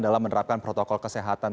dalam menerapkan protokol kesehatan